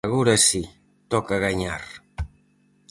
Agora si, toca gañar.